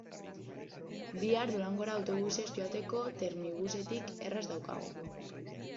Bihar Durangora autobusez joateko Termibusetik erraz daukagu.